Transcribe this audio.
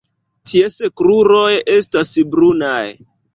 Ties kruroj estas brunaj.